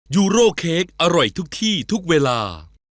ยูโร่เค้กอร่อยทุกที่ทุกเวลา